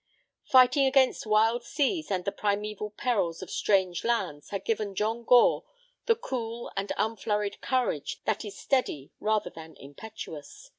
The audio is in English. Fighting against wild seas and the primeval perils of strange lands had given John Gore the cool and unflurried courage that is steady rather than impetuous.